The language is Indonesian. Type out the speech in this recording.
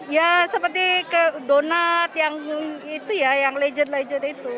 ya seperti ke donat yang itu ya yang legend legend itu